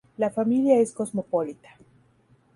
La familia es cosmopolita.